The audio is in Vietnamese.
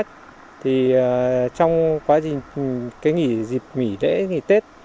thì trong quá trình nghỉ dịp nghỉ để nghỉ tết